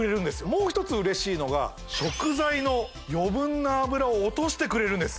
もう一つうれしいのが食材の余分な油を落としてくれるんです